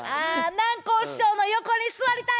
南光師匠の横に座りたい！